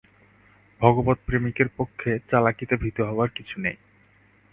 ভগবৎ-প্রেমিকের পক্ষে চালাকিতে ভীত হবার কিছুই নেই।